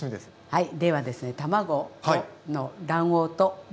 はい。